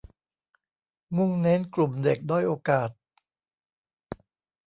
มุ่งเน้นกลุ่มเด็กด้อยโอกาส